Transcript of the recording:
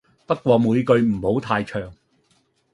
不過每句唔好太長